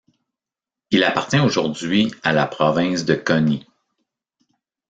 Il appartient aujourd'hui à la province de Coni.